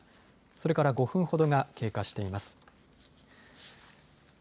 それから５分ほどが経過しています。